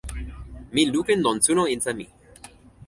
mi lukin lon suno insa mi.